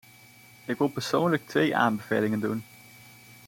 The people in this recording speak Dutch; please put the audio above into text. Ik wil persoonlijk twee aanbevelingen doen.